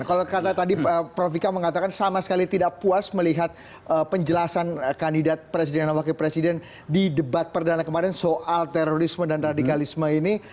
kalau kata tadi prof vika mengatakan sama sekali tidak puas melihat penjelasan kandidat presiden dan wakil presiden di debat perdana kemarin soal terorisme dan radikalisme ini